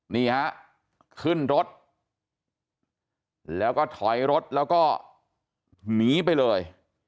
นี่ฮะขึ้นรถแล้วก็ถอยรถแล้วก็หนีไปเลย